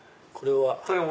これは？